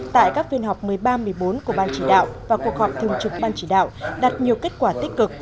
tại các phiên họp một mươi ba một mươi bốn của ban chỉ đạo và cuộc họp thường trực ban chỉ đạo đạt nhiều kết quả tích cực